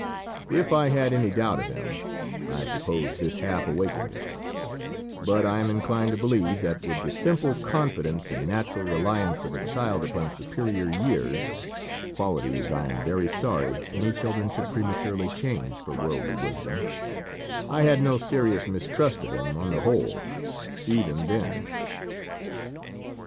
If I had any doubt of him, I suppose this half awakened it; but I am inclined to believe that, with the simple confidence and natural reliance of a child upon superior years (qualities I am very sorry any children should prematurely change for worldly wisdom), I had no serious mistrust of him on the whole, even then.